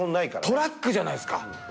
トラックじゃないっすか。